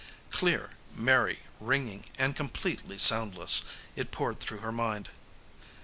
Clear, merry, ringing and completely soundless, it poured through her mind.